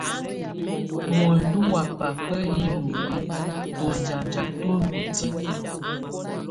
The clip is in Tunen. Muǝndú wá baba iloli, tɔnzanja tú ndɔ́ titǝ.